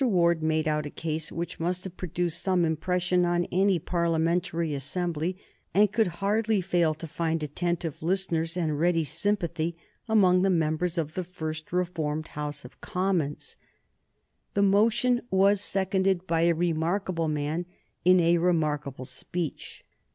Ward made out a case which must have produced some impression on any Parliamentary assembly, and could hardly fail to find attentive listeners and ready sympathy among the members of the first reformed House of Commons. [Sidenote: 1834 George Grote] The motion was seconded by a remarkable man in a remarkable speech.